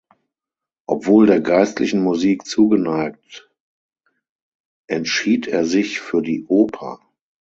Obwohl der geistlichen Musik zugeneigt, entschied er sich für die Oper.